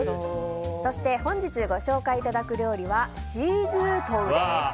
そして本日ご紹介いただく料理はシーズートウです。